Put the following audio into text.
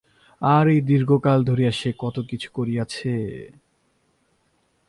আর এই দীর্ঘকাল ধরিয়া সে কত কিছু করিয়াছে।